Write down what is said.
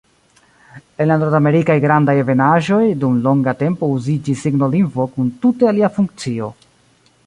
En la Nordamerikaj Grandaj Ebenaĵoj dum longa tempo uziĝis signolingvo kun tute alia funkcio.